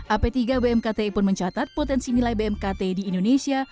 ap tiga bmkti pun mencatat potensi nilai bmkt di indonesia